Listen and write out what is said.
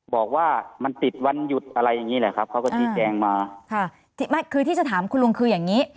บอกว่ามันติดวันหยุดอะไรอย่างงี้แหละครับเขาก็ชี้แจงมาค่ะไม่คือที่จะถามคุณลุงคืออย่างงี้